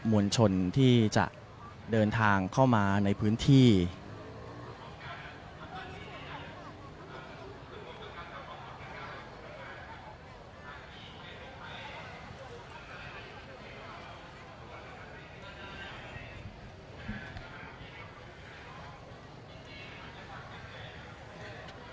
มัวลชนก็ยังคงทยอยเดินทางมาในพื้นที่อย่างต่อเนื่องนะครับ